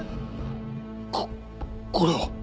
ここれは！？